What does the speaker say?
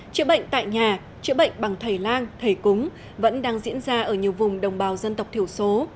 chữa bệnh tại nhà chữa bệnh bằng thầy lang thầy cúng vẫn đang diễn ra ở nhiều vùng đồng bào dân tộc thiểu số